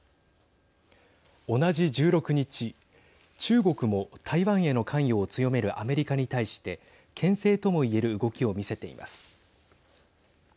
同じ１６日中国も台湾への関与を強めるアメリカに対してけん制とも言える動きを見せています。